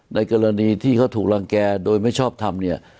ในกรณีที่เขาถูกรังแก่โดยไม่ชอบทำเนี่ย